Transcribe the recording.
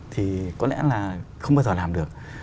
thì có lẽ là không bao giờ làm được